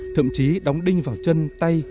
thậm chí đóng đinh vào chân tay